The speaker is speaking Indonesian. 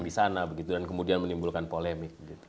disana begitu dan kemudian menimbulkan polemik